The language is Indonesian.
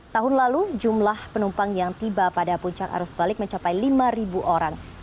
tahun lalu jumlah penumpang yang tiba pada puncak arus balik mencapai lima orang